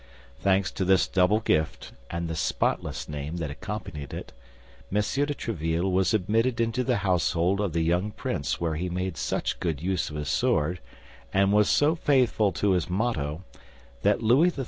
Thanks to this double gift and the spotless name that accompanied it, M. de Tréville was admitted into the household of the young prince where he made such good use of his sword, and was so faithful to his motto, that Louis XIII.